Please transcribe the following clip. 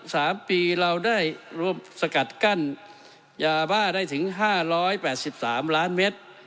สามปีเราได้รวมสกัดกั้นยาบ้าได้ถึง๕๘๓ล้านเมตร